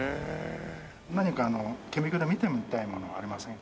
何かあの顕微鏡で見てみたいものはありませんか？